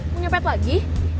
mau nyepet lagi